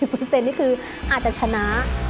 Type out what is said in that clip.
๓๐เปอร์เซ็นต์นี่คืออาจจะชนะ